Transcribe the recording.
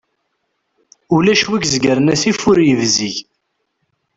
Ulac wi izegren asif ur ibzig.